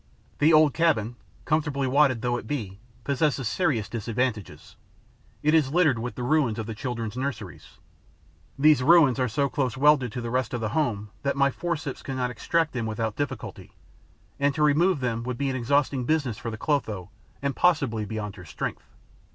The old cabin, comfortably wadded though it be, possesses serious disadvantages: it is littered with the ruins of the children's nurseries. These ruins are so close welded to the rest of the home that my forceps cannot extract them without difficulty; and to remove them would be an exhausting business for the Clotho and possibly beyond her strength.